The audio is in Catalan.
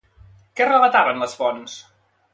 Què relataven les fonts?